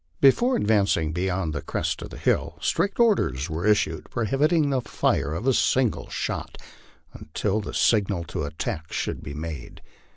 Before advancing beyond tho crest of the hill, strict orders were issued prohibiting the firing of a single shot LIFE ON THE FLAINS. 103 jntil the signal to attack should be made.